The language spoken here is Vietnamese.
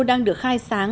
đang được khai sáng